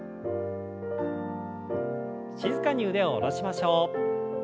静かに腕を下ろしましょう。